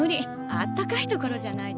あったかい所じゃないと。